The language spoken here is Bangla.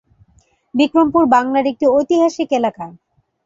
বিক্রমপুর বাংলার একটি ঐতিহাসিক এলাকা।